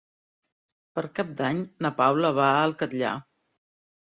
Per Cap d'Any na Paula va al Catllar.